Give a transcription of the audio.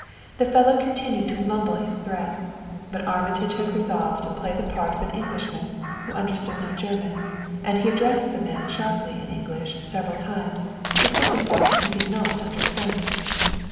The fellow continued to mumble his threats; but Armitage had resolved to play the part of an Englishman who understood no German, and he addressed the man sharply in English several times to signify that he did not understand.